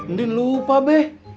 ndn lupa be